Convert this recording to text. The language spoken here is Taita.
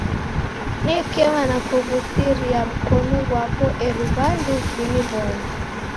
Nekema na kuw'usiria mkonu ghwapo eri w'andu w'iniw'one.